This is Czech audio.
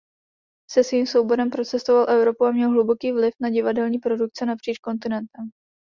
Se svým souborem procestoval Evropu a měl hluboký vliv na divadelní produkce napříč kontinentem.